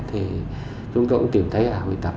thì chúng tôi cũng tìm thấy hà huy tập